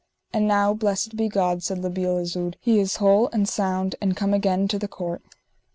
And now, blessed be God, said La Beale Isoud, he is whole and sound and come again to the court.